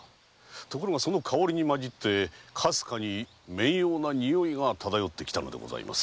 ところがその香りに混じってかすかに面妖な匂いが漂ってきたのでございます。